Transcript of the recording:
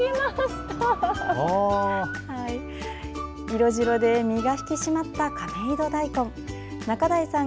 色白で、身が引き締まった亀戸だいこん。